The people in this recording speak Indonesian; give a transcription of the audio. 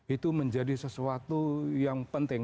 itu menjadi sesuatu yang penting